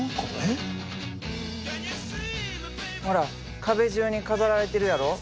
ほら壁じゅうに飾られているやろ？